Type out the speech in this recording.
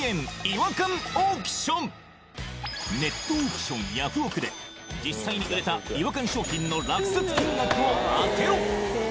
ネットオークションヤフオク！で実際に売れた違和感商品の落札金額を当てろ